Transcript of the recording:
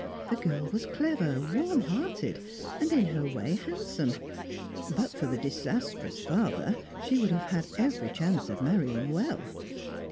The girl was clever, warm hearted, and in her way handsome. But for the disastrous father, she would have had every chance of marrying "well."